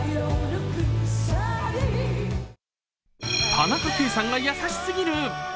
田中圭さんがやさしすぎる！